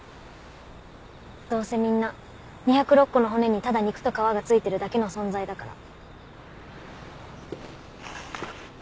どうせみんな２０６個の骨にただ肉と皮がついてるだけの存在だから。